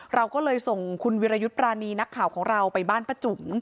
เราก็เลยส่งคุณวิรยุทธ์ปรานีนักข่าวของเราไปบ้านป้าจุ๋ม